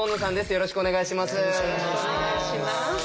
よろしくお願いします。